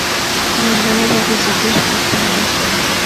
ভোরবেলায় তাকে জিজ্ঞেস করতে হবে।